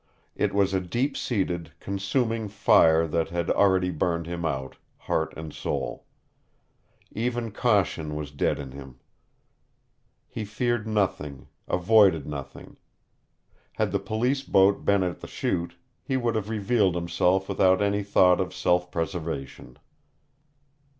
It was a deep seated, consuming fire that had already burned him out, heart and soul. Even caution was dead in him. He feared nothing, avoided nothing. Had the police boat been at the Chute, he would have revealed himself without any thought of self preservation.